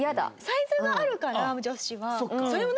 サイズがあるから女子は。